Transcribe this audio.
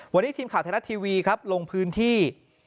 วันนี้ทีมข่าวขอเทคีครับลงพื้นที่